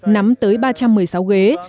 nắm tới ba trăm một mươi sáu ghế